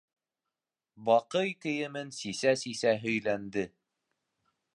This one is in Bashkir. Баҡый кейемен сисә-сисә һөйләнде: